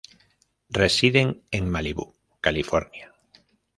Residen en Malibu, California.